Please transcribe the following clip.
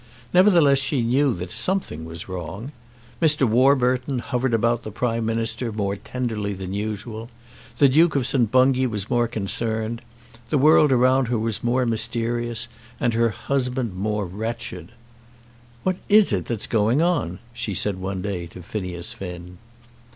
Nevertheless she knew that something was wrong. Mr. Warburton hovered about the Prime Minister more tenderly than usual; the Duke of St. Bungay was more concerned; the world around her was more mysterious, and her husband more wretched. "What is it that's going on?" she said one day to Phineas Finn.